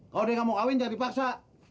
kalau dia nggak mau kawin nggak dipaksa